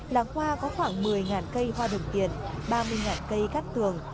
làng hoa có khoảng một mươi cây hoa đồng tiền ba mươi cây cát tường